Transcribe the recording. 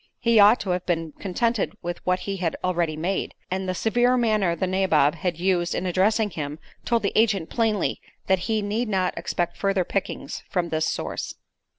He ought to have been contented with what he had already made, and the severe manner the nabob had used in addressing him told the agent plainly that he need not expect further pickings from this source.